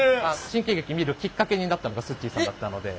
新喜劇見るきっかけになったのがすっちーさんだったので。